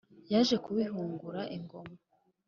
yereje kubihungura ingoma.